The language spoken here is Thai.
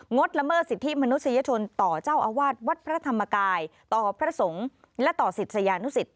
งดละเมิดสิทธิ์มนุษยชนต่อเจ้าอาวาสวัดพระธรรมกาย